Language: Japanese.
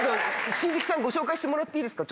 親戚さんご紹介してもらっていいですか？